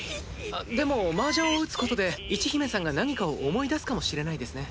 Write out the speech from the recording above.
あっでも麻雀を打つことで一姫さんが何かを思い出すかもしれないですね。